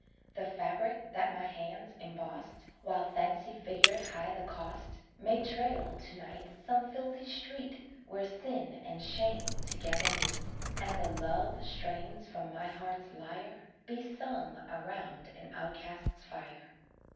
The fabric that my hands embossed, While Fancy figured high the cost, May trail, to night, some filthy street Where sin and shame together meet, And the loved strains from my heart's lyre Be sung around an outcast's fire.